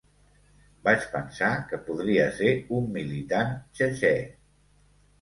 Vaig pensar que podria ser un militant txetxè.